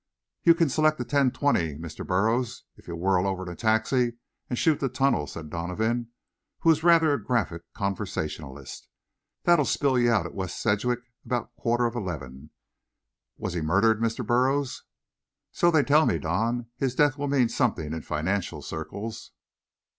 "You kin s'lect the ten twenty, Mr. Burruz, if you whirl over in a taxi an' shoot the tunnel," said Donovan, who was rather a graphic conversationalist. "That'll spill you out at West Sedgwick 'bout quarter of 'leven. Was he moidered, Mr. Burruz?" "So they tell me, Don. His death will mean something in financial circles."